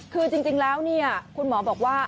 คือจริงแล้วคุณหมอบอกว่า